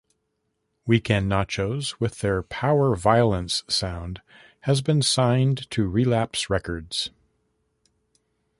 Weekend Nachos, with their powerviolence sound, has been signed to Relapse Records.